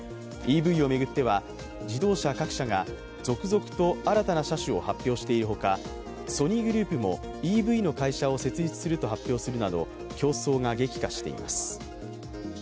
ＥＶを巡っては自動車各社が続々と新たな車種を発表しているほかソニーグループもＥＶの会社を設立すると発表するなど競争が激化しています。